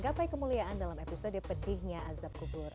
gapai kemuliaan dalam episode pedihnya azab kubur